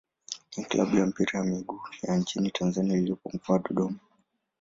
ni klabu ya mpira wa miguu ya nchini Tanzania iliyopo Mkoa wa Dodoma.